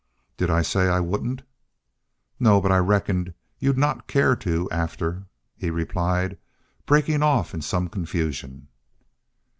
"Did I say I wouldn't?" "No. But I reckoned you'd not care to after " he replied, breaking off in some confusion.